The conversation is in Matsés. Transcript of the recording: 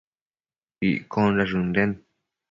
Iccondash ënden